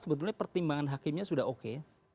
sebetulnya pertimbangan hakimnya sudah oke